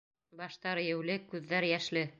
Баштар эйеүле, күҙҙәр йәшле...